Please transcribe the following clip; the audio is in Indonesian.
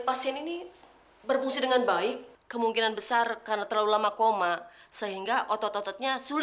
ya sudah sekarang kita bawa ke kamar periksa aja yuk